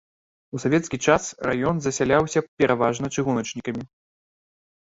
У савецкі час раён засяляўся пераважна чыгуначнікамі.